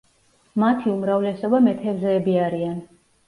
მათი უმრავლესობა მეთევზეები არიან.